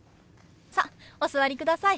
さあお座りください。